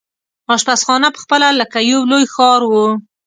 اشپزخانه پخپله لکه یو لوی ښار وو.